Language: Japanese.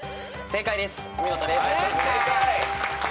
正解です。